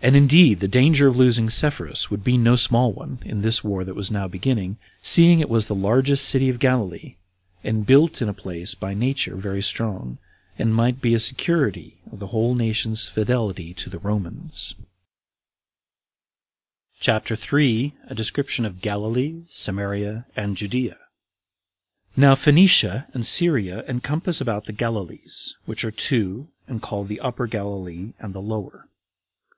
And indeed the danger of losing Sepphoris would be no small one, in this war that was now beginning, seeing it was the largest city of Galilee, and built in a place by nature very strong, and might be a security of the whole nation's [fidelity to the Romans]. CHAPTER 3. A Description Of Galilee, Samaria, And Judea. 1. Now Phoenicia and Syria encompass about the Galilees, which are two, and called the Upper Galilee and the Lower.